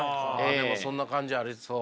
でもそんな感じありそう。